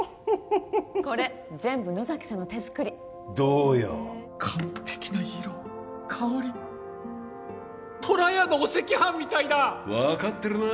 これ全部野崎さんの手作りどうよ完璧な色香りとらやのお赤飯みたいだ分かってるな